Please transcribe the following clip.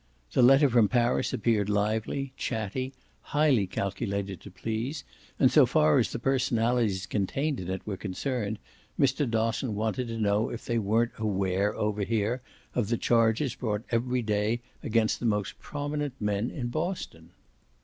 The letter from Paris appeared lively, "chatty," highly calculated to please, and so far as the personalities contained in it were concerned Mr. Dosson wanted to know if they weren't aware over here of the charges brought every day against the most prominent men in Boston.